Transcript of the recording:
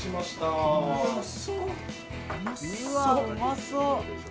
うわ、うまそう！